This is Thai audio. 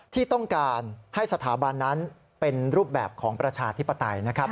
ที่ต้องการให้สถาบันนั้นเป็นรูปแบบของประชาธิปไตยนะครับ